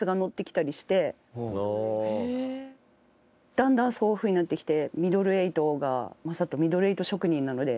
だんだんそういう風になってきてミドルエイトが正人ミドルエイト職人なので。